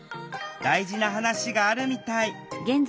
大事な話があるみたい。